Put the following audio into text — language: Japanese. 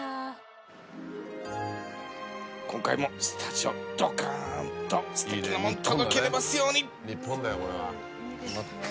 今回もスタジオドカンとすてきなもの届けれますように！